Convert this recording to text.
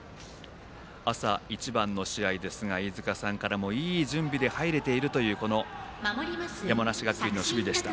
朝一番の試合ですが飯塚さんからもいい準備で入れているという山梨学院の守備でした。